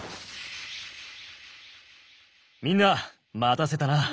みんな待たせたな。